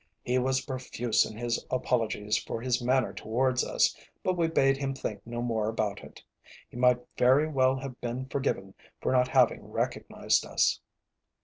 He was profuse in his apologies for his manner towards us, but we bade him think no more about it. He might very well have been forgiven for not having recognised us.